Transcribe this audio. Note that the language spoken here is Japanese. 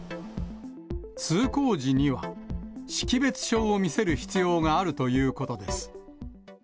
通行時には、識別証を見せる必要があるということです。